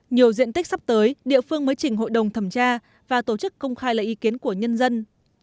nhiều diện tích sắp tới địa phương mới chỉnh hội đồng thẩm tra và tổ chức công khai lấy ý kiến của nhân dân